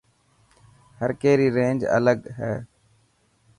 هر ڪي ري رينج الگ هي.